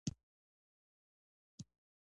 د جنسي کمزوری لپاره جنسینګ وکاروئ